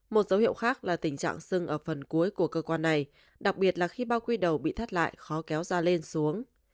một dấu hiệu khác là tình trạng sưng ở phần cuối của cơ quan này đặc biệt là khi bao quy đầu bị thất lại khó kéo ra lên xuống